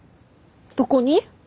どこに？